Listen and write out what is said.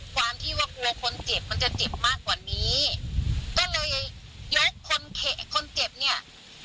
ความที่ว่ากลัวคนเจ็บมันจะเจ็บมากกว่านี้ก็เลยยกคนคนเจ็บเนี่ย